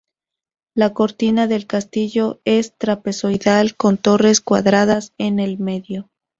La cortina del castillo es trapezoidal, con torres cuadradas en el medio.